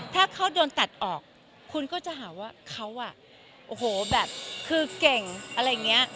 ถ้าเขาโดนตัดออกคุณก็จะหาว่าเขาอ่ะโอ้โหแบบคือเก่งอะไรอย่างนี้